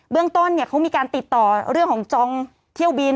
เรื่องต้นเขามีการติดต่อเรื่องของจองเที่ยวบิน